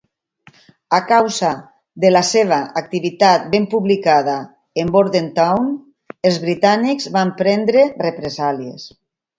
A causa de la seva activitat ben publicada en Bordentown, els britànics van prendre represàlies.